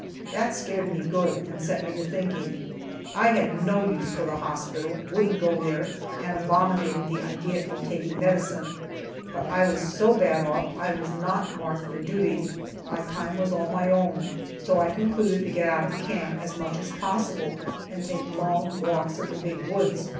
That scared me good, and set me to thinking. I had no use for the hospital, wouldn't go there, and abominated the idea of taking medicine. But I was so bad off I was not marked for duty, my time was all my own, so I concluded to get out of camp as much as possible, and take long walks in the big woods.